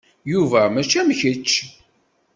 Yuba mačči am kečč.